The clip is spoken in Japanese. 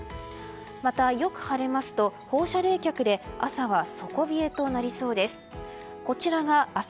また、よく晴れますと放射冷却で朝は底冷えとなりそうです。